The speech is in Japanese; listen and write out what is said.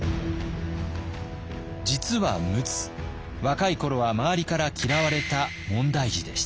実は陸奥若い頃は周りから嫌われた問題児でした。